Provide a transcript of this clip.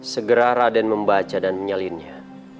segera raden membaca dan menyalinnya